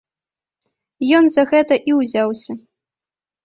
Ён за гэта і ўзяўся.